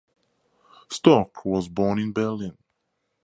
Storck was born in Berlin.